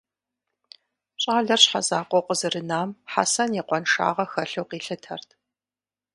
Щӏалэр щхьэзакъуэу къызэрынам Хьэсэн и къуэншагъэ хэлъу къилъытэрт.